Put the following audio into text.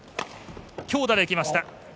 強打で行きました。